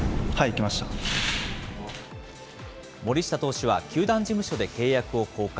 森下投手は球団事務所で契約を更改。